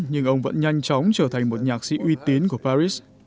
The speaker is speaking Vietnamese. nhưng ông vẫn nhanh chóng trở thành một nhạc sĩ uy tín của paris